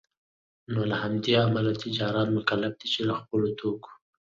نوله همدې امله تجاران مکلف دی چي دخپلو توکو